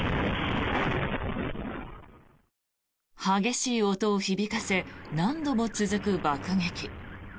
激しい音を響かせ何度も続く爆撃。